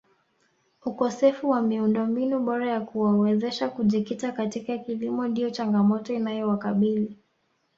Ukosefu wa miundombinu bora ya kuwawezesha kujikita katika kilimo ndiyo changamoto inayowakabili